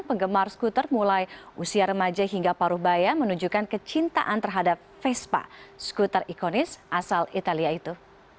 penggemar skuter mulai usia remaja hingga paruh baya menunjukkan kecintaan terhadap vespa skuter ikonis asal italia itu